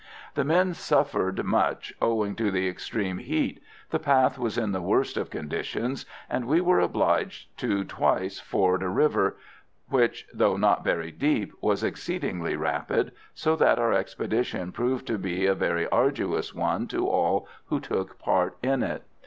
The men suffered much owing to the extreme heat; the path was in the worst of conditions, and we were obliged to twice ford a river, which, though not very deep, was exceedingly rapid, so that our expedition proved to be a very arduous one to all who took part in it.